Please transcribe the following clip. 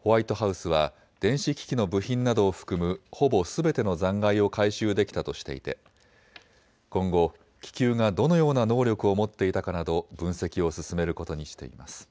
ホワイトハウスは電子機器の部品などを含むほぼすべての残骸を回収できたとしていて今後、気球がどのような能力を持っていたかなど分析を進めることにしています。